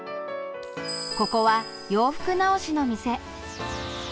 ここは洋服直しの店。